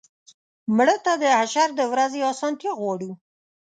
مړه ته د حشر د ورځې آسانتیا غواړو